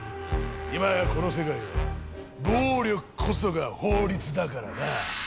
今やこの世界は暴力こそが法律だからな。